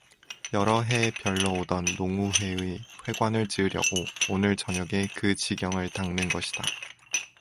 여러 해 별러 오던 농우회의 회관을 지으려고 오늘 저녁에 그 지경을 닦는 것이다.